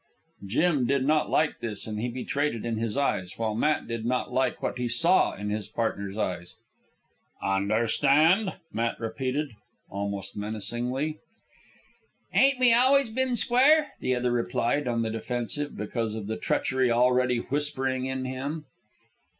Jim did not like this, and betrayed it in his eyes, while Matt did not like what he saw in his partner's eyes. "Understand?" Matt repeated, almost menacingly. "Ain't we always ben square?" the other replied, on the defensive because of the treachery already whispering in him.